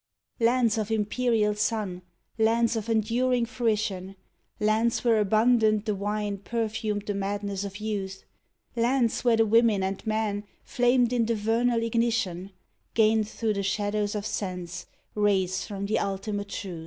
Lands of imperial sun, lands of enduring fruition, Lands where abundant the wine perfumed the madness of youth, Lands where the women and men flamed in the vernal ig nition, Gained through the shadows of sense rays from the ulti mate truth.